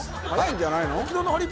早いんじゃないの？